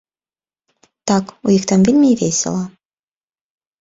Так, у іх там вельмі весела.